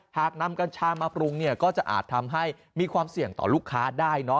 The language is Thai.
หากนำกัญชามาปรุงเนี่ยก็จะอาจทำให้มีความเสี่ยงต่อลูกค้าได้เนอะ